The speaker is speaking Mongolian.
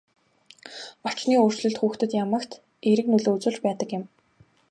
Орчны өөрчлөлт хүүхдэд ямагт эерэг нөлөө үзүүлж байдаг юм.